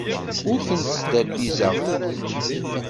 Ur tent-sderbizeɣ.